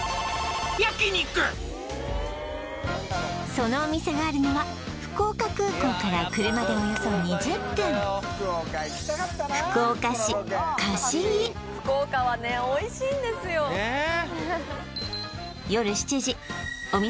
そのお店があるのは福岡空港から福岡はねおいしいんですよ・ねえ